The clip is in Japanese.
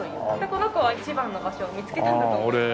この子は一番の場所を見つけたんだと思います。